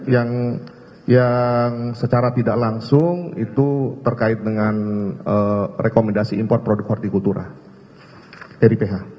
yang secara tidak langsung itu terkait dengan rekomendasi import produk hortikultura dari ph